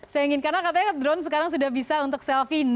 saya ingin karena katanya drone sekarang sudah bisa untuk selfie